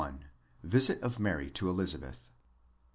$ 31. VISIT OF MARY TO ELIZABETH.